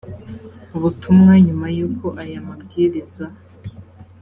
ubutumwa nyuma y uko aya mabwiriza